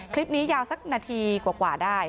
คลิปนี้ยาวสักนาทีกว่าได้